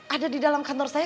ada di dalam kantor saya